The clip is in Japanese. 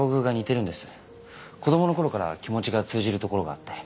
子供のころから気持ちが通じるところがあって。